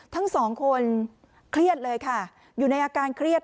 ทั้งสองคนเครียดเลยค่ะอยู่ในอาการเครียด